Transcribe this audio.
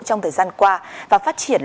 trong thời gian qua và phát triển